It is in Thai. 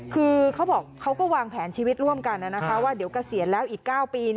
คือเขาบอกเขาก็วางแผนชีวิตร่วมกันนะคะว่าเดี๋ยวก็เสียแล้วอีกเก้าปี